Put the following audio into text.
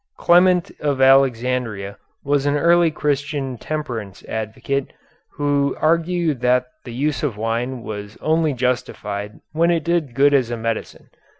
Clement of Alexandria was an early Christian temperance advocate, who argued that the use of wine was only justified when it did good as a medicine.